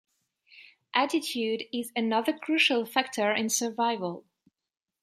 Attitude is another crucial factor in survival.